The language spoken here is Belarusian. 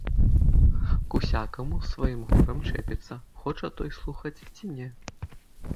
К усякаму з сваім горам чэпіцца, хоча той слухаць ці не.